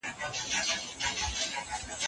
له ګڼې ګوڼې څخه ځان وساتئ.